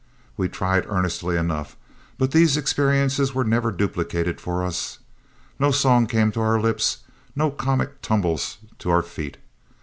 We tried earnestly enough, but these experiences were never duplicated for us. No songs came to our lips, nor comic tumbles to our feet.